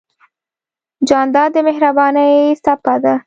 جانداد د مهربانۍ څپه ده.